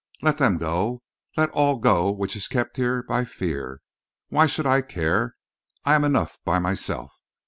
Let them go. Let all go which is kept here by fear. Why should I care? I am enough by myself.